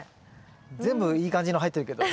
全部いい感じの入ってるけど。